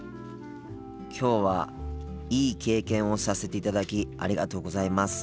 今日はいい経験をさせていただきありがとうございます。